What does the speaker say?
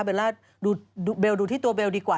เบลล่าดูที่ตัวเบลล์ดีกว่า